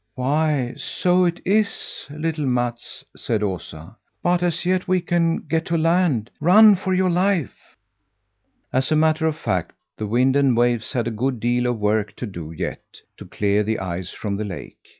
"Why, so it is, little Mats," said Osa, "but as yet we can get to land. Run for your life!" As a matter of fact, the wind and waves had a good deal of work to do yet to clear the ice from the lake.